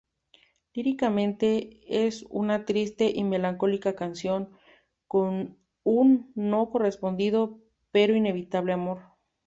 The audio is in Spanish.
Líricamente, es una triste y melancólica canción, con un no correspondido, pero inevitable, amor.